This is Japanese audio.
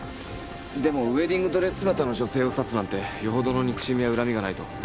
でもウェディングドレス姿の女性を刺すなんてよほどの憎しみや恨みがないと。